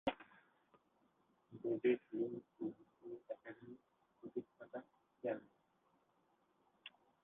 David Lean ছিলেন এই academy প্রতিষ্ঠাতা চেয়ারম্যান।